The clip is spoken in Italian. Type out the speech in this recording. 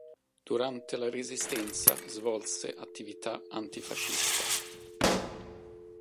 Durante la Resistenza svolse attività antifascista.